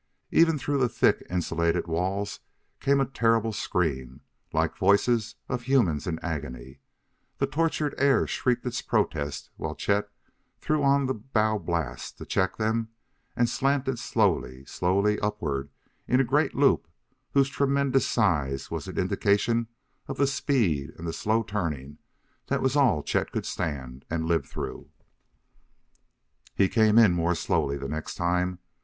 Even through the thick insulated walls came a terrible scream. Like voices of humans in agony, the tortured air shrieked its protest while Chet threw on the bow blast to check them and slanted slowly, slowly upward in a great loop whose tremendous size was an indication of the speed and the slow turning that was all Chet could stand and live through. He came in more slowly the next time.